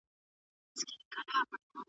د پرمختګ لپاره دا عوامل اړین بلل کیږي.